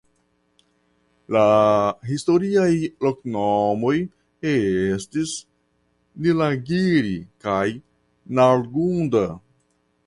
La historiaj loknomoj estis "Nilagiri" kaj "Nalgunda".